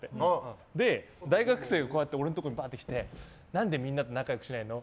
で、大学生がこうやって俺のところに来て何でみんなと仲良くしないの？